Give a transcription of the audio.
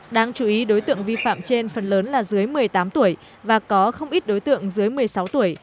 đáng chú ý đối tượng vi phạm trên phần lớn là dưới một mươi tám tuổi và có không ít đối tượng dưới một mươi sáu tuổi